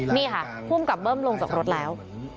นี่ค่ะภูมิกับเบิ้มลงจากรถแล้ว